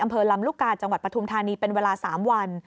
อำเภอลำลูกกาจังหวัดปฐุมธานีเป็นเวลา๓วัน